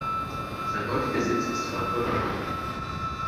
Sein heutiger Sitz ist Frankfurt am Main.